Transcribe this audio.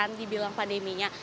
yang dibilang pandeminya